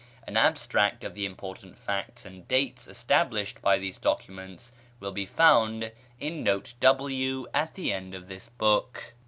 An abstract of the important facts and dates established by these documents will be found in Note W at the end of this book.